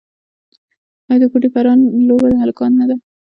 آیا د ګوډي پران لوبه د هلکانو نه ده؟